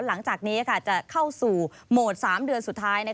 หลังจากนี้จะเข้าสู่โหมด๓เดือนสุดท้าย